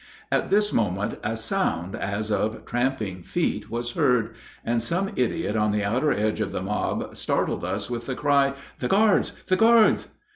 At this moment a sound as of tramping feet was heard, and some idiot on the outer edge of the mob startled us with the cry, "The guards the guards!"